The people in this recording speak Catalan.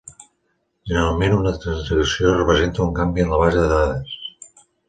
Generalment, una transacció representa un canvi en la base de dades.